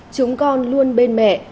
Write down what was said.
chúng con luôn bên mẹ